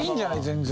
全然。